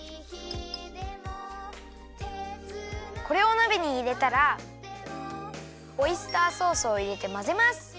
これをなべにいれたらオイスターソースをいれてまぜます！